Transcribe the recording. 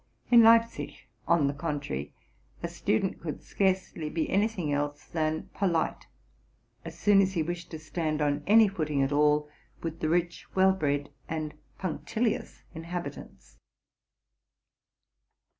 In Leipzig, on the contrary, a stu dent could scarcely be any thing else than polite, as soon as he wished to stand on any footing at all with the rich, well bred, and punctilious inhabitants.